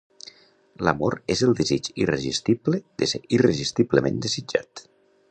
L'amor és el desig irresistible de ser irresistiblement desitjat.